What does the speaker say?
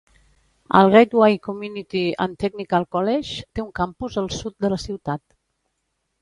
El Gateway Community and Technical College té un campus al sud de la ciutat.